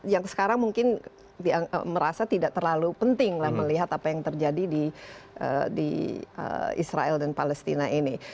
yang sekarang mungkin merasa tidak terlalu penting melihat apa yang terjadi di israel dan palestina ini